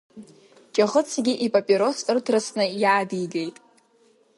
Ҷаӷьыцгьы ипапирос ырҭрысны иаадигеит.